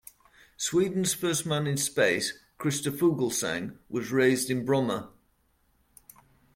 Sweden's first man in space, Christer Fuglesang, was raised in Bromma.